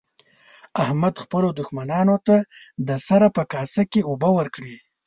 احمد خپلو دوښمنانو ته د سره په کاسه کې اوبه ورکړې.